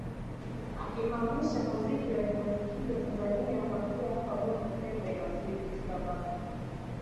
akimaanisha muziki wa kizazi kipya Tanzania Kuanzia hapo Bongo Fleva ikazidi kushika kasi